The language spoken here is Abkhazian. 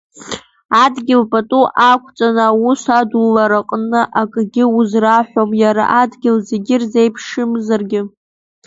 Адгьыл пату ақәҵаны аус адулараҟны акгьы узраҳәом, иара адгьыл зегьы ирзеиԥшымзаргьы.